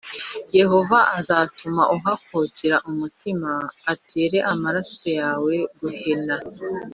Yehova azatuma uhakukira umutima, atere amaso yawe guhena,